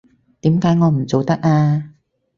點解我唔做得啊？